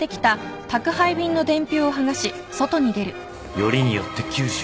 よりによって九州。